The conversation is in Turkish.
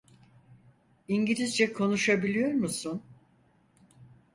İngilizce konuşabiliyor musun?